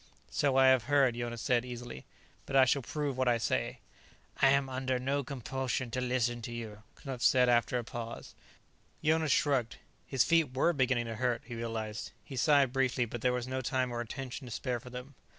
"So I have heard," Jonas said easily. "But I shall prove what I say." "I am under no compulsion to listen to you," Knupf said after a pause. Jonas shrugged. His feet were beginning to hurt, he realized; he sighed briefly, but there was no time or attention to spare for them.